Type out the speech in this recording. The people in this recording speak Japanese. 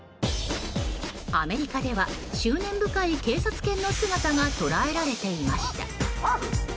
アメリカでは執念深い警察犬の姿が捉えられていました。